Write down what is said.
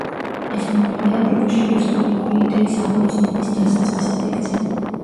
ეს მოვლენა ევროპაში რესპუბლიკური იდეის აღორძინების დასაწყისად იქცა.